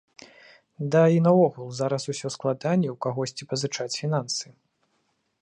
Ды і наогул зараз усё складаней у кагосьці пазычаць фінансы.